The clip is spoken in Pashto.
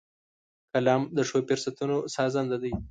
قلم د ښو فرصتونو سازنده دی